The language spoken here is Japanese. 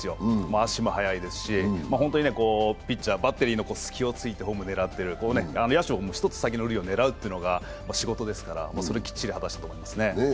足も速いですしピッチャーバッテリーの隙を突いてホームを狙っている、野手は１つ先を狙うのが仕事ですから、それ、きっちり果たしてると思いますね。